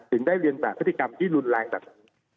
ถึงได้เรียนแบบพฤติกรรมที่รุนแรงแบบนี้